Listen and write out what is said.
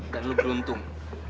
dan lo beruntung